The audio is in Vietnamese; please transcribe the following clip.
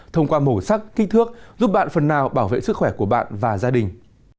thông qua màu sắc kích thước giúp bạn phần nào bảo vệ sức khỏe của bạn và gia đình